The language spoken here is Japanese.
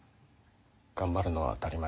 頑張るのは当たり前。